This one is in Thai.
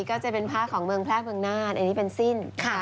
ก็จะเป็นผ้าของเมืองแพร่เมืองน่านอันนี้เป็นสิ้น